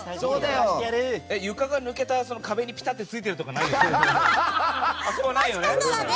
床が抜けた壁についているとかないよね。